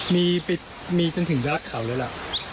มีปิดมีจนถึงด้านเขาแล้วล่ะ